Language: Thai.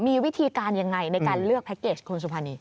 มีวิธีการยังไงในการเลือกแพ็คเกจคุณสุภานี